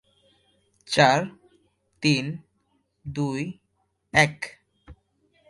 চার, তিন, দুই, এক!